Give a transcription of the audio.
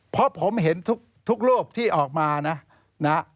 เพราะผมเห็นทุกรูปที่ออกมานะนะ